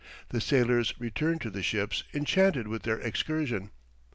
The sailors returned to the ships enchanted with their excursion.